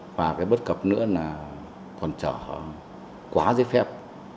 và bất cập nữa là còn chở quá dễ phép